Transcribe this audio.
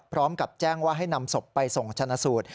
พร้อมกับแจ้งว่าให้นำศพไปส่งชนะสูตร